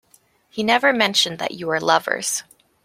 He never mentioned that you were lovers.